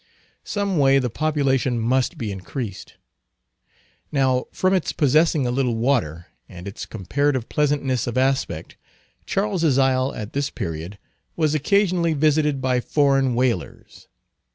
Some way the population must be increased. Now, from its possessing a little water, and its comparative pleasantness of aspect, Charles's Isle at this period was occasionally visited by foreign whalers.